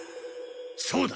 そうだ！